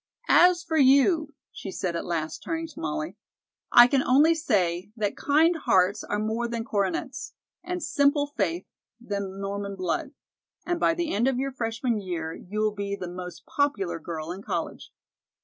"As for you," she said at last, turning to Molly, "I can only say that 'kind hearts are more than coronets, and simple faith than Norman blood,' and by the end of your freshman year you will be the most popular girl in college."